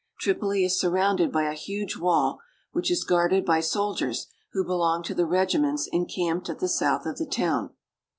Tripoli is surrounded by a huge wall, which is guarded by soldiers who belong to the regiments en camped at the south of the town.